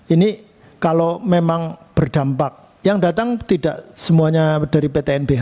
ini kalau memang berdampak yang datang tidak semuanya dari ptnbh